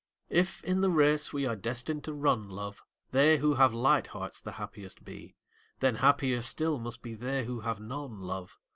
If in the race we are destined to run, love, They who have light hearts the happiest be, Then happier still must be they who have none, love.